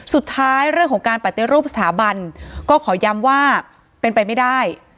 สุดท้ายเรื่องของการปัจเตรียมรูปสถาบันก็ขอยำว่าเป็นไปไม่ได้